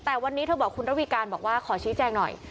แต่วันนี้เธอบอกคุณระวีการบอกว่าขอชี้แจงหน่อย